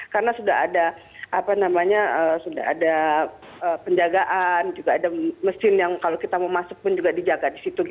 karena sudah ada apa namanya sudah ada penjagaan juga ada mesin yang kalau kita mau masuk pun juga dijaga di situ